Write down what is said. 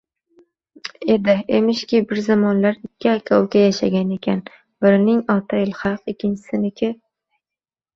edi. Emishki, bir zamonlar ikki aka-uka yashagan ekan. Birining oti Ilhaq, ikkinchisiniki